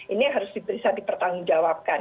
ini harus bisa dipertanggungjawabkan